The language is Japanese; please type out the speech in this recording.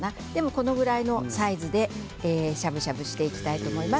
これぐらいのサイズでしゃぶしゃぶしていきたいと思います。